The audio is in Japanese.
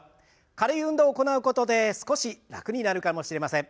軽い運動を行うことで少し楽になるかもしれません。